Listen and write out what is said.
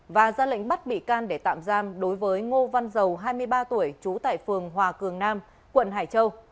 và ra lệnh bắt bị can để tạm giam đối với ngô văn dầu hai mươi ba tuổi trú tại phường hòa cường nam quận hải châu